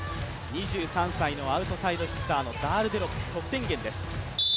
２３歳のアウトサイドヒッターのダールデロップ、得点源です。